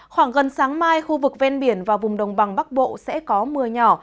khoảng gần sáng mai khu vực ven biển và vùng đồng bằng bắc bộ sẽ có mưa nhỏ